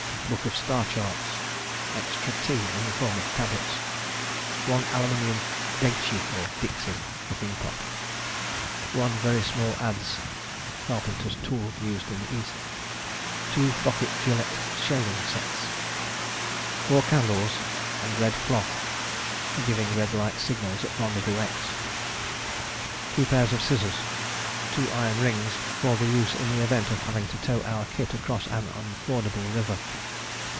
Book of star charts. Extra tea in the form of tablets. 1 aluminium "degchie" or "dixie" (cooking pot). 1 very small adze (a carpenter's tool used in the East). 2 pocket Gillette shaving sets. 4 candles, } for giving red light signals at red cloth } Rendezvous X. 2 pairs of scissors. 2 iron rings, for use in the event of having to tow our kit across an unfordable river.